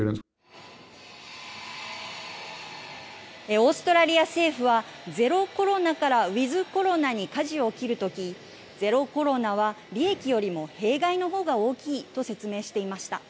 オーストラリア政府は、ゼロコロナからウィズコロナにかじを切るとき、ゼロコロナは利益よりも弊害のほうが大きいと説明していました。